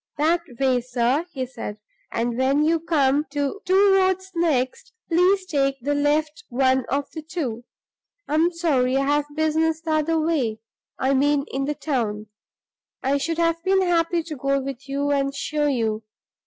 "That way, sir," he said, "and when you come to two roads next, please take the left one of the two. I am sorry I have business the other way, I mean in the town. I should have been happy to go with you and show you.